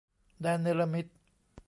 แดนเนรมิต